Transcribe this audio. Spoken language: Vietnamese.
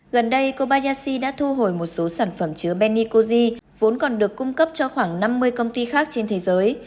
gần đây kobayashi đã thu hồi một số sản phẩm chứa benicozi vốn còn được cung cấp cho khoảng năm mươi công ty khác trên thế giới